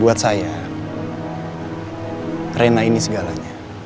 buat saya rena ini segalanya